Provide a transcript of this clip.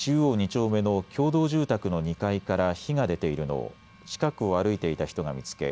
丁目の共同住宅の２階から火が出ているのを近くを歩いていた人が見つけ